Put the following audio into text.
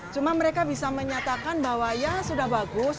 cuma mereka bisa menyatakan bahwa ya sudah bagus